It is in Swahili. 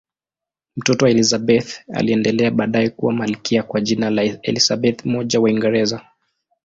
Mtoto wake Elizabeth aliendelea baadaye kuwa malkia kwa jina la Elizabeth I wa Uingereza.